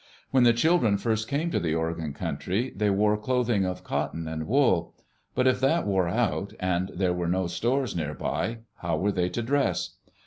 When the children first came to the Oregon Country, they wore clothing of cotton and wool. But if that wore out, and there were no stores near by, how were they to dress?